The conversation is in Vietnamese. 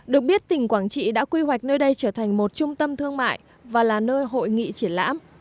được biết tỉnh quảng trị đã quy hoạch nơi đây trở thành một trung tâm thương mại và là nơi hội nghị triển lãm